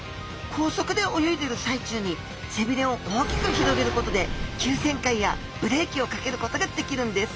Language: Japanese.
高速で泳いでいる最中に背びれを大きく広げることで急旋回やブレーキをかけることができるんです。